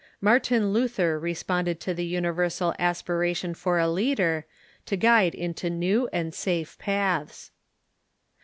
Martin Luther respond ed to the universal aspiration for a leader, to guide into new and safe paths.